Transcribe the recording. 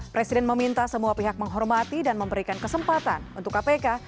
presiden meminta semua pihak menghormati dan memberikan kesempatan untuk kpk